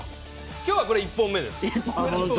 今日は、これ１本目です。